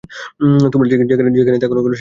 তোমরা যেখানেই থাক না কেন সেদিকে মুখ।